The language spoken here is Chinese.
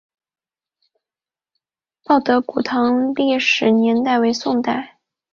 报德古堂的历史年代为宋代。